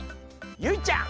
ゆいちゃん。